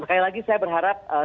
sekali lagi saya berharap